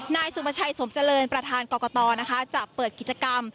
นายสุประชัยสมเจริญประธานกรกตนะคะจะเปิดกิจกรรม